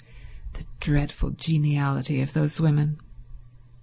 The dreadful geniality of those women.